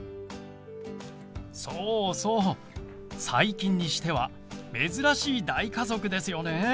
そうそう最近にしては珍しい大家族ですよね。